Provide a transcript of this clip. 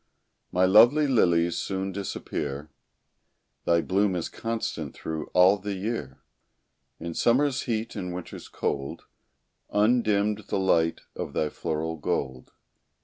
My lovely lilies soon disappear; Thy bloom is constant through all the year; In summer's heat and winter's cold, Undimmed the light of thy floral gold.